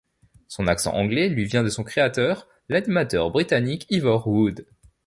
Son accent anglais lui vient de son créateur, l'animateur britannique Ivor Wood.